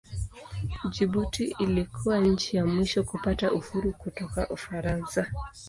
Jibuti ilikuwa nchi ya mwisho kupata uhuru kutoka Ufaransa.